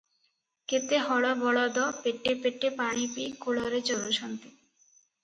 କେତେ ହଳ ବଳଦ ପେଟେ ପେଟେ ପାଣିପିଇ କୂଳରେ ଚରୁଛନ୍ତି ।